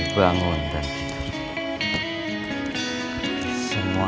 bangun dan hidup semua